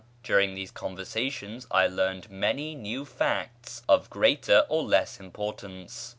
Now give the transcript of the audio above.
During these conversations I learned many new facts of greater or less importance.